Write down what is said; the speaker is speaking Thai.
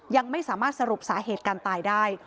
ยังไม่สามารถสรุปสาเหตุการตายได้